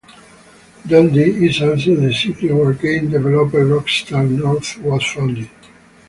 Dundee is also the city where game developer Rockstar North was founded.